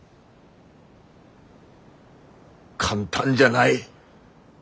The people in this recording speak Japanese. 簡単じゃない。